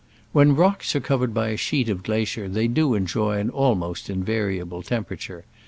When rocks are covered by a sheet of glacier they do enjoy an almost in variable temperature.